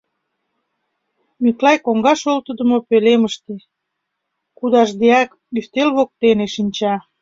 Миклай коҥгаш олтыдымо пӧлемыште, кудашдеак, ӱстел воктене шинча.